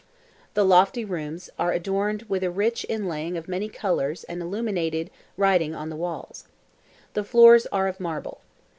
The lofty rooms are adorned with a rich inlaying of many colours and illuminated writing on the walls. The floors are of marble.